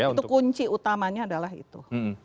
itu kunci utamanya adalah itu